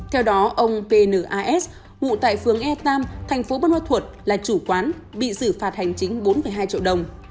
theo đó ông pnas ngụ tại phường airtown thành phố buôn hoa thuột là chủ quán bị xử phạt hành chính bốn hai triệu đồng